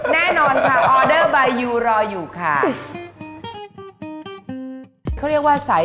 แน่นอนค่ะ